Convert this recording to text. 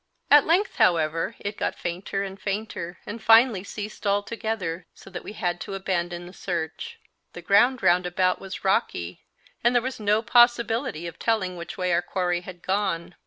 At length, however, it got fainter and fainter, and finally ceased altogether, so that we had to abandon the search; the ground round about was rocky, and there was no possibility of telling which way our quarry had gone.